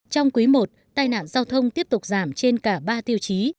trong quý i tai nạn giao thông tiếp tục giảm trên cả ba tiêu chí